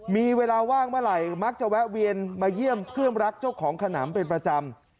มีเวลาว่างเมื่อไหร่มักจะแวะเวียนมาเยี่ยมเพื่อนรักเจ้าของขนำเป็นประจำ